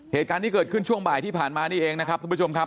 เหตุการณ์ที่เกิดขึ้นช่วงบ่ายที่ผ่านมานี้เองนะครับ